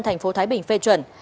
thành phố thái bình phê chuẩn